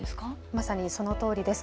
まさにそのとおりです。